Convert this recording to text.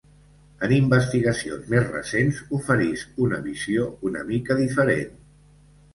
En investigacions més recents oferisc una visió una mica diferent.